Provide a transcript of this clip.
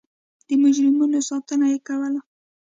د مجرمینو ساتنه یې کوله.